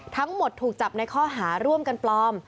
ทั้งหมดถูกจับในข้อหาร่วมกันปลอม